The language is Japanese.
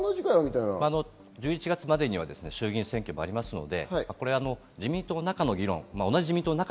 １１月までには衆議院選挙もありますので自民党の中の議論。